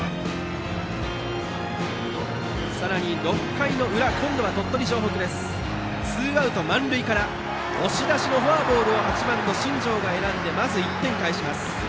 さらに６回裏、今度は鳥取城北ツーアウト、満塁から押し出しのフォアボールを８番の新庄が選んでまず１点を返します。